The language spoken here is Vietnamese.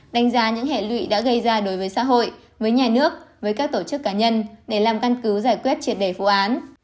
đánh giá những hệ lụy đã gây ra đối với xã hội với nhà nước với các tổ chức cá nhân để làm căn cứ giải quyết triệt đề vụ án